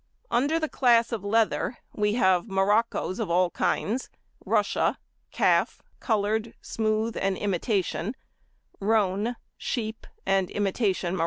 Under the class of leather, we have moroccos of all kinds; russia; calf, coloured, smooth, and imitation; roan, sheep, and imitation morocco.